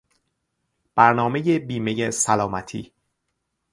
برنامهی بیمهی سلامتی